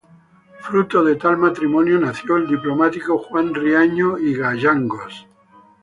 Fruto de tal matrimonio nació el diplomático Juan Riaño y Gayangos.